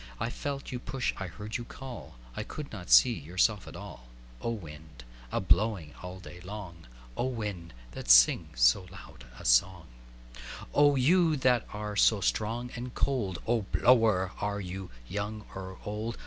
I felt you push, I heard you call,I could not see yourself at all—O wind, a blowing all day long,O wind, that sings so loud a songO you that are so strong and cold,O blower, are you young or old?